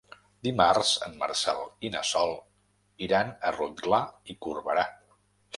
Dimarts en Marcel i na Sol iran a Rotglà i Corberà.